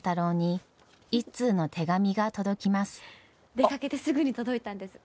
出かけてすぐに届いたんです。